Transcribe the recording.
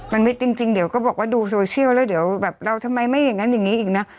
มันไม่จริงเดี๋ยวก็บอกว่าดูโซเชียลแล้วเดี๋ยวแบบเราทำไมไม่อย่างนั้นอย่างนี้อีกนะ